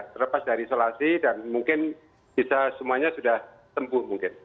terlepas dari isolasi dan mungkin bisa semuanya sudah tempuh mungkin